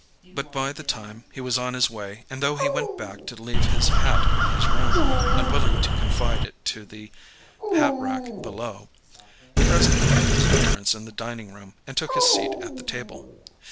But by this time he was on his way, and though he went back to leave his hat in his room, unwilling to confide it to the hat rack below, he presently made his appearance in the dining room and took his seat at the table.